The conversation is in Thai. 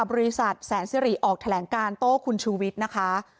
บริษัทแสนสิริออกแถลงการโต้คุณชูวิทย์นะคะ